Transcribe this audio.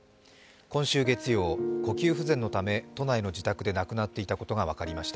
今週月曜、呼吸不全のため都内の自宅で亡くなっていたことが分かりました。